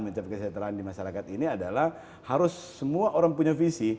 mencapai kesejahteraan di masyarakat ini adalah harus semua orang punya visi